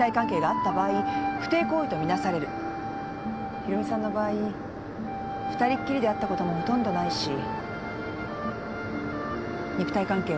博美さんの場合２人っきりで会ったこともほとんどないし肉体関係はない。